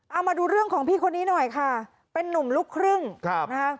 เอามาดูเรื่องของพี่คนนี้หน่อยค่ะเป็นนุ่มลูกครึ่งครับนะฮะ